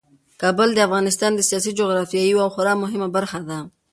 کابل د افغانستان د سیاسي جغرافیې یوه خورا مهمه برخه ده.